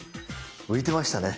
浮いてましたね。